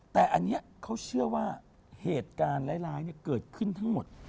แต่อันนี้เขาเชื่อว่าเหตุการณ์ร้ายเกิดขึ้นทั้งหมด